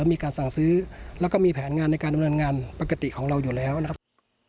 มีการสั่งซื้อแล้วก็มีแผนงานในการดำเนินงานปกติของเราอยู่แล้วนะครับ